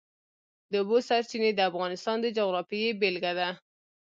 د اوبو سرچینې د افغانستان د جغرافیې بېلګه ده.